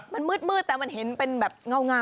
มันมืดแต่มันเห็นเป็นแบบเงา